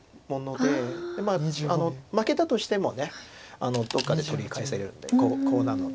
でまあ負けたとしてもどっかで取り返せるんでコウなので。